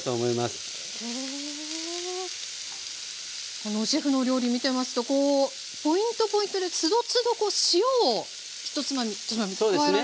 このシェフのお料理見てますとポイントポイントでつどつど塩を１つまみ１つまみと加えられますね。